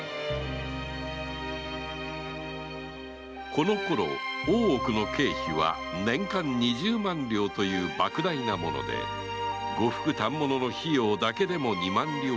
このころ大奥の経費は年間二十万両という莫大なもので呉服・反物の費用だけでも二万両を超えたという